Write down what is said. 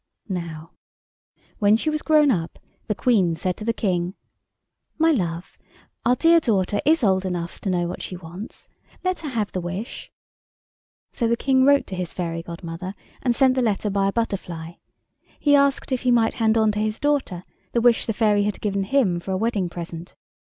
Now, when she was grown up the Queen said to the King— "My love, our dear daughter is old enough to know what she wants. Let her have the wish." So the King wrote to his fairy godmother and sent the letter by a butterfly. He asked if he might hand on to his daughter the wish the fairy had given him for a wedding present.